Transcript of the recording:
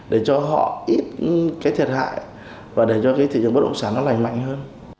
để cho họ ít thiệt hại và để cho thị trường bất động sản lành mạnh hơn